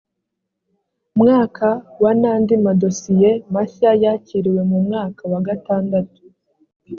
mwaka wa n andi madosiye mashya yakiriwe mu mwaka wa gatandatu